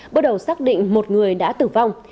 bước đầu xác định một người đã tử vong